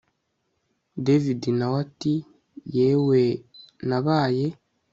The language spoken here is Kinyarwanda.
david nawe ati yewee nabaye